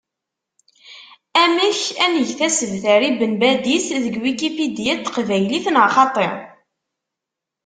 Amek, ad nget asebter i Ben Badis deg Wikipedia n teqbaylit neɣ xaṭi?